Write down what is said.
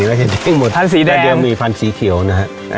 เห็นทั้งหมดพันธุ์สีแดงแล้วเดี๋ยวมีพันธุ์สีเขียวนะฮะ